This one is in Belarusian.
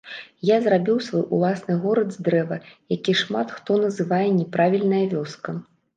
Я зрабіў свой уласны горад з дрэва, які шмат хто называе няправільная вёска.